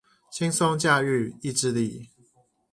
輕鬆駕馭意志力